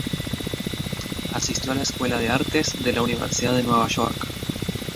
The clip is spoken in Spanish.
Asistió a la Escuela de Artes de la Universidad de Nueva York.